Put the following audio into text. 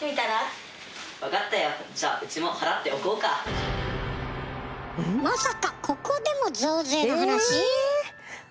その名もまさかここでも増税の話！？